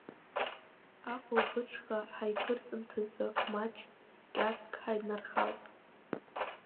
Ахәылбыҽха, ҳаиԥырҵымҭазы маҷк кьац ҳаиднархалт.